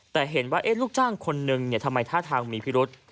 แต่เห็นว่าลูกจ้างคนนึงทำไมท่าทางมีพิรุษ